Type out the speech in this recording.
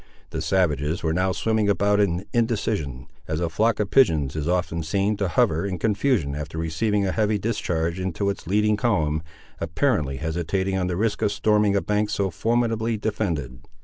The savages were now swimming about in indecision, as a flock of pigeons is often seen to hover in confusion after receiving a heavy discharge into its leading column, apparently hesitating on the risk of storming a bank so formidably defended.